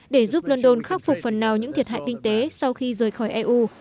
để giúp london khắc phục phần nào những thiệt hại kinh tế sau khi rời khỏi eu